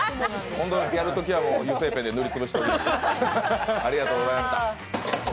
今度やるときは油性ペンで塗り潰しておきます。